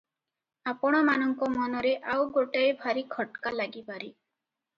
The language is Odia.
ଆପଣମାନଙ୍କ ମନରେ ଆଉ ଗୋଟାଏ ଭାରି ଖଟ୍କା ଲାଗିପାରେ ।